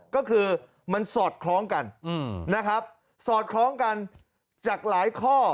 ก็คือมันสอดคล้องกันนะครับสอดคล้องกันจากหลายข้อ